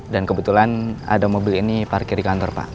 dan kebetulan ada mobil ini parkir di kantor pak